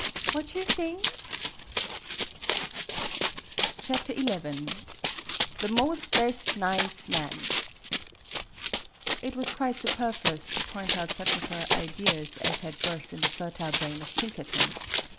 What you thing ?" XI "THE MOS' BES' NIZE MAN" IT was quite superfluous to point out such of her ideas as had birth in the fertile brain of Pinkerton.